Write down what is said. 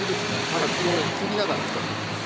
先を切りながら使います。